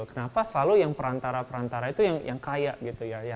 kenapa selalu yang perantara perantara itu yang kaya gitu ya